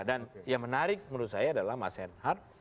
dan yang menarik menurut saya adalah mas henhar